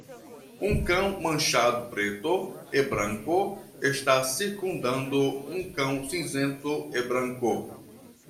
Um cão manchado preto e branco está circundando um cão cinzento e branco.